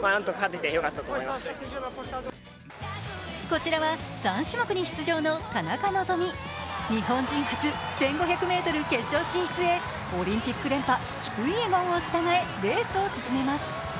こちらは３種目に出場の田中希実日本人初１５００ｍ決勝進出へオリンピック連覇・キプイエゴンを従えレースを進めます。